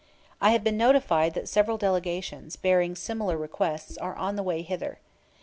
I have been notified that several delegations, bearing similar requests, are on the way hither.